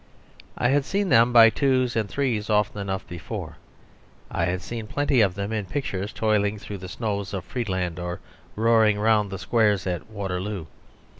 I had seen them by twos and threes often enough before. I had seen plenty of them in pictures toiling through the snows of Friedland or roaring round the squares at Waterloo.